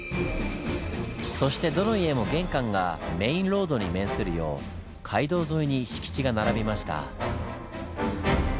そしてどの家も玄関がメインロードに面するよう街道沿いに敷地が並びました。